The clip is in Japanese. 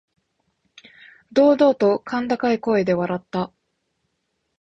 堂々と甲高い声で笑った。